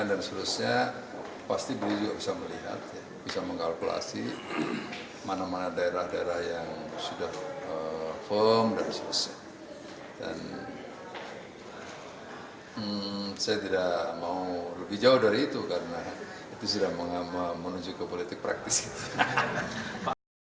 menurut muldoko majunya prabowo menjadikan iklim demokrasi di indonesia lebih berwarna